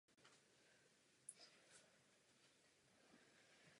Měl syna a dvě dcery.